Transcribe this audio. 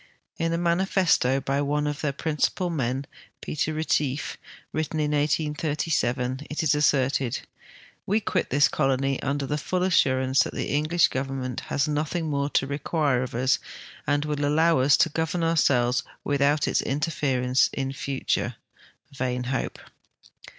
In a manifesto by one of their })rincipal men, Peter Ketief, written in 1837 it is a.sserted, " We quit this colony under the full assurance that tlie English government has nothing more to require of us and will allow us to govern ourselves without its interference in the future." Vain hope!